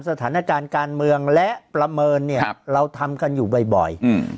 สถานการณ์การเมืองและประเมินเนี่ยเราทำกันอยู่บ่อย